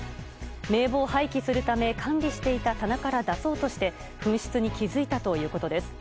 名簿を廃棄するため管理していた棚から出そうとして紛失に気付いたということです。